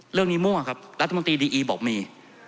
เรื่องนี้มั่วครับรัฐมนตรีดีอีบอกมี